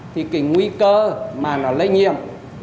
thì cái nguy cơ mà nó lây nhiệm